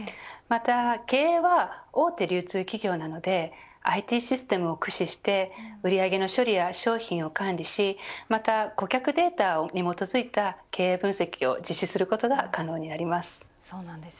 また経営は大手流通企業などでＩＴシステムで駆使して売り上げの処理や商品を管理しまた顧客データに基づいた経営分析を実施することが可能になります。